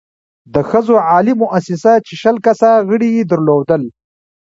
د ښځو عالي مؤسسه چې شل کسه غړې يې درلودل،